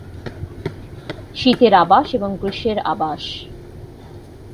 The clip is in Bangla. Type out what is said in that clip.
শীতের আবাস এবং গ্রীষ্মের আবাস।